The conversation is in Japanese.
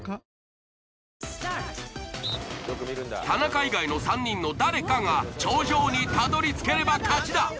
田中以外の３人の誰かが頂上にたどり着ければ勝ちだ。